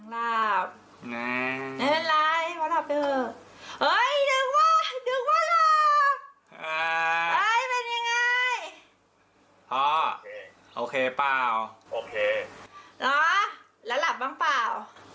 แล้วหลับบ้างเปล่า